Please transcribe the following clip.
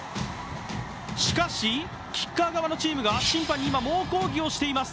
しかし、キッカー側のチームが審判に今猛抗議をしています。